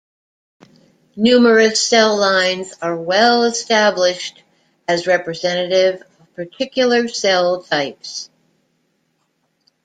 Numerous cell lines are well established as representative of particular cell types.